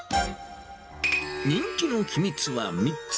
人気の秘密は３つ。